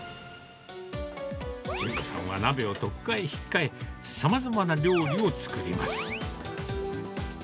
順子さんは鍋をとっかえひっかえ、さまざまな料理を作ります。